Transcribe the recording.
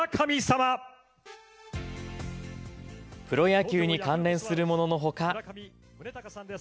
プロ野球に関連するもののほか。